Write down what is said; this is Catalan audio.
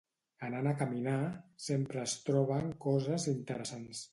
Anant a caminar, sempre es troben coses interessants